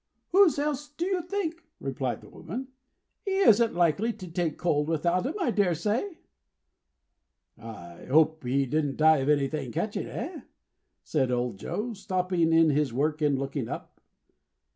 "Whose else's do you think?" replied the woman. "He isn't likely to take cold without 'em, I dare say." "I hope he didn't die of anything catching? Eh?" said old Joe, stopping in his work, and looking up.